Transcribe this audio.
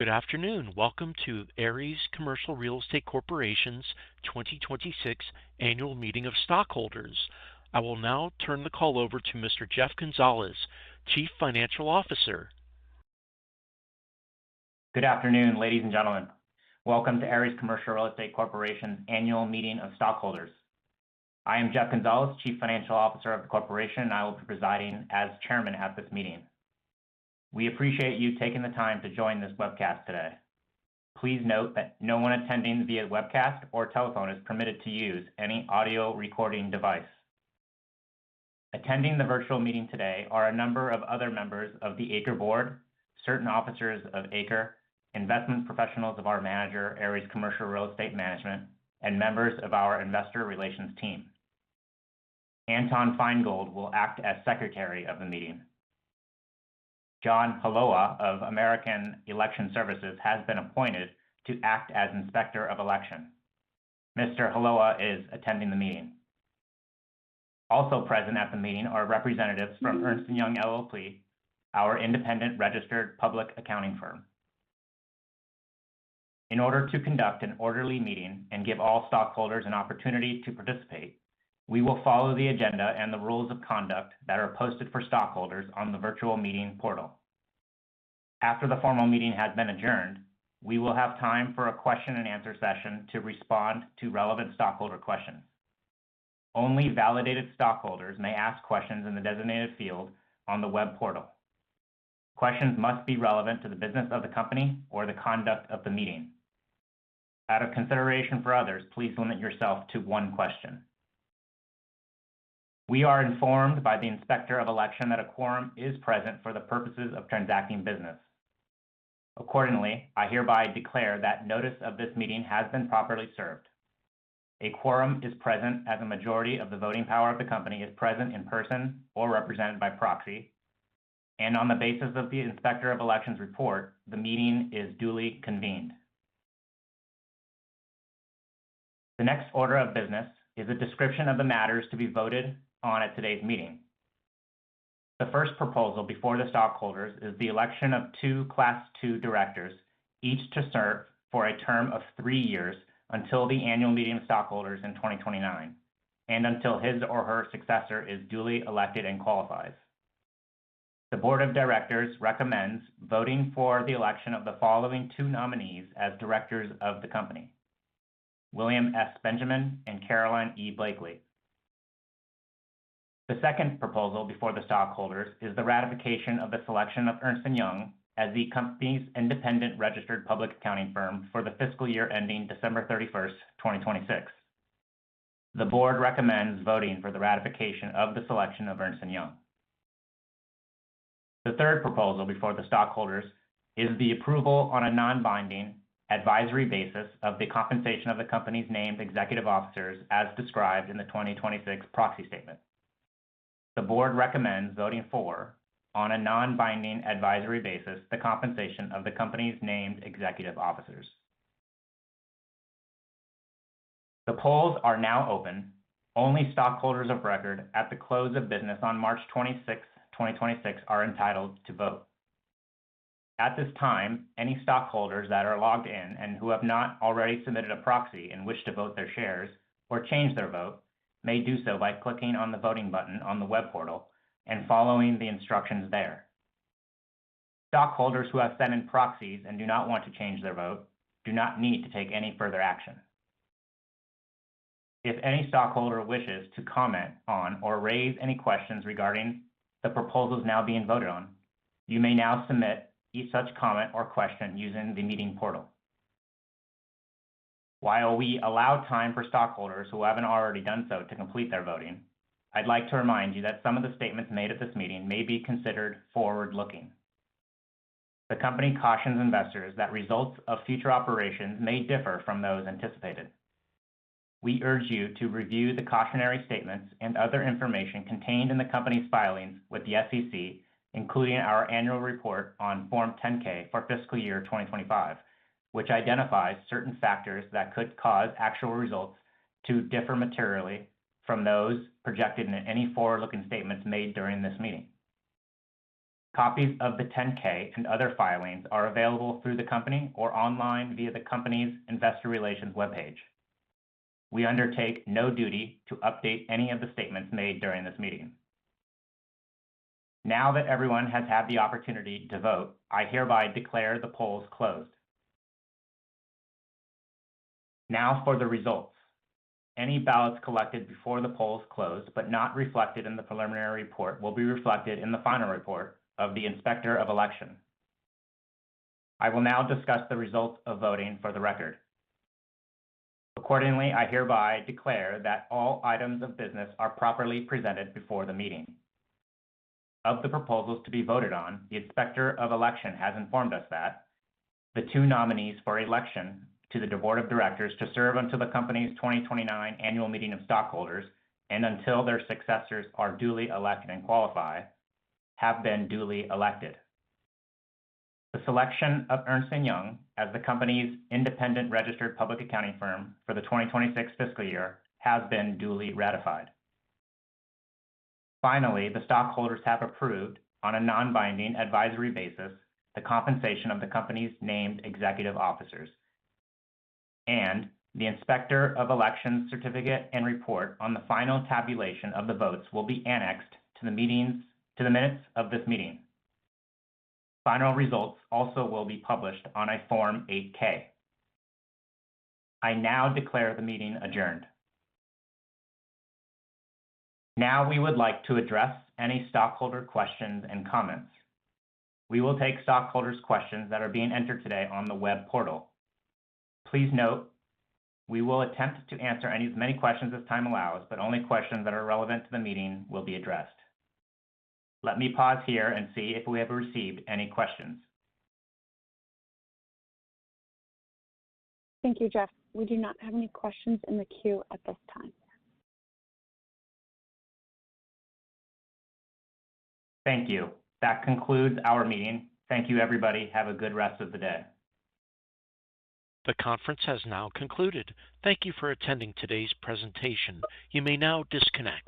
Good afternoon. Welcome to Ares Commercial Real Estate Corporation's 2026 Annual Meeting of Stockholders. I will now turn the call over to Mr. Jeff Gonzales, Chief Financial Officer. Good afternoon, ladies and gentlemen. Welcome to Ares Commercial Real Estate Corporation's Annual Meeting of Stockholders. I am Jeff Gonzales, chief financial officer of the corporation, and I will be presiding as chairman at this meeting. We appreciate you taking the time to join this webcast today. Please note that no one attending via webcast or telephone is permitted to use any audio recording device. Attending the virtual meeting today are a number of other members of the ACRE board, certain officers of ACRE, investment professionals of our manager, Ares Commercial Real Estate Management, and members of our investor relations team. Anton Feingold will act as secretary of the meeting. John Halowa of American Election Services has been appointed to act as inspector of election. Mr. Halowa is attending the meeting. Also present at the meeting are representatives from Ernst & Young LLP, our independent registered public accounting firm. In order to conduct an orderly meeting and give all stockholders an opportunity to participate, we will follow the agenda and the rules of conduct that are posted for stockholders on the virtual meeting portal. After the formal meeting has been adjourned, we will have time for a question and answer session to respond to relevant stockholder questions. Only validated stockholders may ask questions in the designated field on the web portal. Questions must be relevant to the business of the company or the conduct of the meeting. Out of consideration for others, please limit yourself to one question. We are informed by the inspector of election that a quorum is present for the purposes of transacting business. Accordingly, I hereby declare that notice of this meeting has been properly served. A quorum is present as a majority of the voting power of the company is present in person or represented by proxy, and on the basis of the inspector of election's report, the meeting is duly convened. The next order of business is a description of the matters to be voted on at today's meeting. The first proposal before the stockholders is the election of two class two directors, each to serve for a term of three years until the annual meeting of stockholders in 2029, and until his or her successor is duly elected and qualifies. The board of directors recommends voting for the election of the following two nominees as directors of the company, William S. Benjamin and Caroline E. Blakely. The second proposal before the stockholders is the ratification of the selection of Ernst & Young as the company's independent registered public accounting firm for the fiscal year ending December 31st, 2026. The board recommends voting for the ratification of the selection of Ernst & Young. The third proposal before the stockholders is the approval on a non-binding advisory basis of the compensation of the company's named executive officers as described in the 2026 proxy statement. The board recommends voting for, on a non-binding advisory basis, the compensation of the company's named executive officers. The polls are now open. Only stockholders of record at the close of business on March 26, 2026 are entitled to vote. At this time, any stockholders that are logged in and who have not already submitted a proxy and wish to vote their shares or change their vote, may do so by clicking on the voting button on the web portal and following the instructions there. Stockholders who have sent in proxies and do not want to change their vote do not need to take any further action. If any stockholder wishes to comment on or raise any questions regarding the proposals now being voted on, you may now submit each such comment or question using the meeting portal. While we allow time for stockholders who haven't already done so to complete their voting, I'd like to remind you that some of the statements made at this meeting may be considered forward-looking. The company cautions investors that results of future operations may differ from those anticipated. We urge you to review the cautionary statements and other information contained in the company's filings with the SEC, including our annual report on Form 10-K for fiscal year 2025, which identifies certain factors that could cause actual results to differ materially from those projected in any forward-looking statements made during this meeting. Copies of the 10-K and other filings are available through the company or online via the company's investor relations webpage. We undertake no duty to update any of the statements made during this meeting. Now that everyone has had the opportunity to vote, I hereby declare the polls closed. For the results. Any ballots collected before the polls closed but not reflected in the preliminary report will be reflected in the final report of the inspector of election. I will now discuss the results of voting for the record. Accordingly, I hereby declare that all items of business are properly presented before the meeting. Of the proposals to be voted on, the inspector of election has informed us that the two nominees for election to the board of directors to serve until the company's 2029 annual meeting of stockholders, and until their successors are duly elected and qualify, have been duly elected. The selection of Ernst & Young as the company's independent registered public accounting firm for the 2026 fiscal year has been duly ratified. Finally, the stockholders have approved, on a non-binding advisory basis, the compensation of the company's named executive officers. The inspector of election certificate and report on the final tabulation of the votes will be annexed to the minutes of this meeting. Final results also will be published on a Form 8-K. I now declare the meeting adjourned. We would like to address any stockholder questions and comments. We will take stockholders' questions that are being entered today on the web portal. Please note, we will attempt to answer as many questions as time allows, but only questions that are relevant to the meeting will be addressed. Let me pause here and see if we have received any questions. Thank you, Jeff. We do not have any questions in the queue at this time. Thank you. That concludes our meeting. Thank you, everybody. Have a good rest of the day. The conference has now concluded. Thank you for attending today's presentation. You may now disconnect.